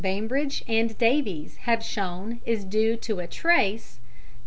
Bainbridge and Davies have shown is due to a trace (0.